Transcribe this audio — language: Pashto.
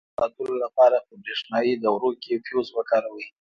له خطر څخه د ځان ساتلو لپاره په برېښنایي دورو کې فیوز وکاروئ.